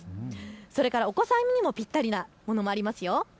それから、お子さんにもぴったりなものもありますよ。